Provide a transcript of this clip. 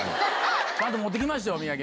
ちゃんと持ってきましたお土産。